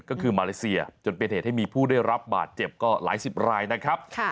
ก็คือมาเลเซียจนเป็นเหตุให้มีผู้ได้รับบาดเจ็บก็หลายสิบรายนะครับ